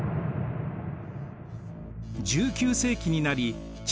１９世紀になり茶